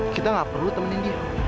kita gak perlu temenin dia